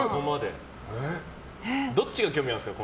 どっちが興味あるんですか。